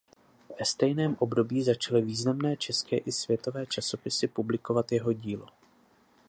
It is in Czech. Ve stejném období začaly významné české i světové časopisy publikovat jeho dílo.